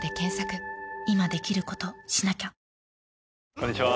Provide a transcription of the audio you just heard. こんにちは。